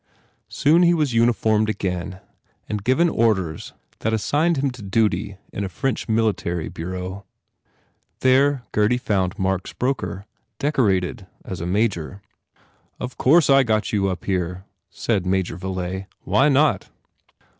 Soon he was uniformed again and given orders that assigned him to duty in a Paris military bureau. There Gurdy found Mark s broker, decorated as a Major. "Of course, I got you up here," said Major Viilay. "Why not?"